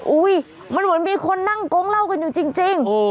อุ๊ยมันเหมือนมีคนนั่งโก๊งเล่ากันอยู่จริง